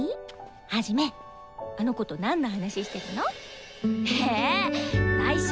ハジメあの子となんの話してたの？えないしょ！